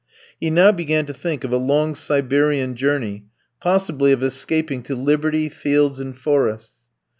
He now began to think of a long Siberian journey, possibly of escaping to liberty, fields, and forests.